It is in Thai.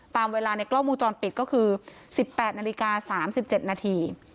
ตามเวลาในกล้องมุมจรปิดก็คือสิบแปดนาฬิกาสามสิบเจ็ดนาที